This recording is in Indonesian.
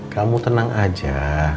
kamu tenang aja